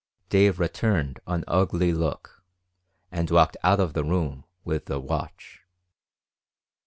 Dave returned an ugly look, and walked out of the room with the watch.